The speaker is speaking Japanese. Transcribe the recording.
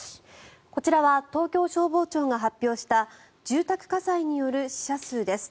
こちらは東京消防庁が発表した住宅火災による死者数です。